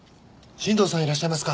新堂さんいらっしゃいますか？